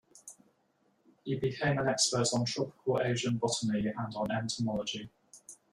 He became an expert on tropical Asian botany and on entomology.